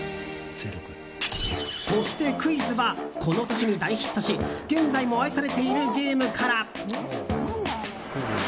そしてクイズはこの年に大ヒットし現在も愛されているゲームから。